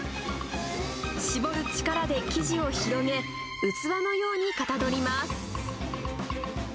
絞る力で生地を広げ、器のようにかたどります。